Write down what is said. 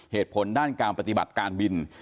เหตุผลด้านการปฏิบัติการบิน